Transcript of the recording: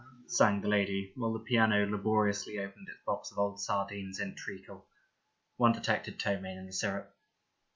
sang the lady while the piano w]3 laboriously opened its box of old sardines in treacle. One detected ptomaine in the syrup.